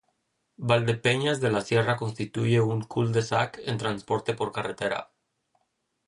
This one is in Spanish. Valdepeñas de la Sierra constituye un cul-de-sac en transporte por carretera.